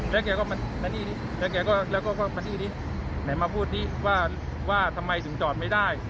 แล้วแกก็มาที่นี้ไหนมาพูดดิว่าทำไมถึงจอดไม่ได้